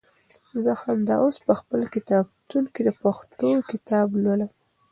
زه همدا اوس په خپل کتابتون کې د پښتو کتاب لولم.